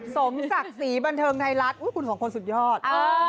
สมศักดิ์ศรีบันเทิงไทยรัฐคุณของคนสุดยอด